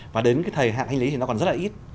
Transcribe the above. và đến cái thời hạn hành lý thì nó còn rất là ít